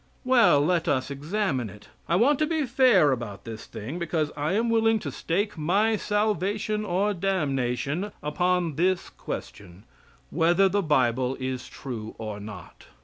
Well, let us examine it. I want to be fair about this thing, because I am willing to stake my salvation or damnation upon this question whether the Bible is true or not.